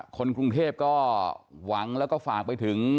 คนกรุงเทพก็หวังแล้วก็ฝากไปถึง